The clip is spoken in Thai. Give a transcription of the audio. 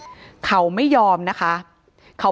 ไปแล้วเดี๋ยวจะไม่ได้สำนึกผิดนี่คือลักษณะแบบนี้ที่มีการ